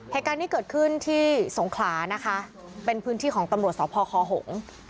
เหตุการณ์นี้เกิดขึ้นที่สงขลานะคะเป็นพื้นที่ของตำรวจสพคหงษ์